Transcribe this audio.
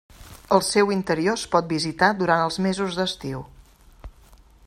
El seu interior es pot visitar durant els mesos d'estiu.